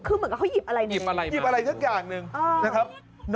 คือเหมือนกับเขาหยิบอะไรหยิบอะไรทั้งอย่างหนึ่งนะครับ